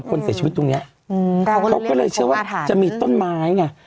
เขาบอกว่าจะมีต้นไม้อืม